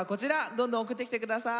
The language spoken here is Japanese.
どんどん送ってきて下さい！